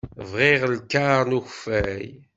Bɣiɣ lkaṛ n ukeffay.